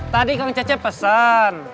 tadi kang cece pesan